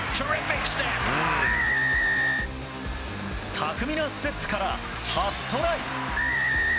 巧みなステップから初トライ！